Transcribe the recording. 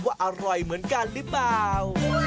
ว่าอร่อยเหมือนกันหรือเปล่า